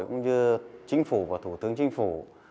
cũng như chính phủ và thủ tướng chính phủ